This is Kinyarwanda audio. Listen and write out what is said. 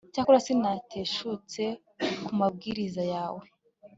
cyakora sinateshutse ku mabwiriza yawe